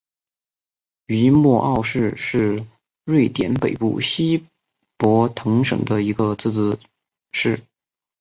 于默奥市是瑞典北部西博滕省的一个自治市。